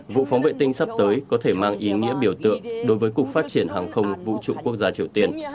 vụ phóng vệ tinh sắp tới có thể mang ý nghĩa biểu tượng đối với cục phát triển hàng không vũ trụ quốc gia triều tiên